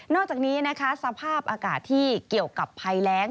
อกจากนี้นะคะสภาพอากาศที่เกี่ยวกับภัยแรง